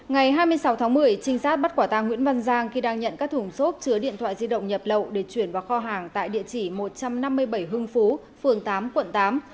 ngày hai mươi sáu tháng một mươi trinh sát bắt quả tàng nguyễn văn giang khi đang nhận các thủng xốp chứa điện thoại di động nhập lậu để chuyển vào kho hàng tại địa chỉ một trăm năm mươi bảy hưng phú phường tám quận tám